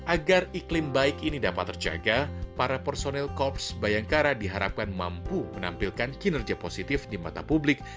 agar iklim baik ini dapat terjaga para personil korps bayangkara diharapkan mampu menampilkan kinerja positif di mata publik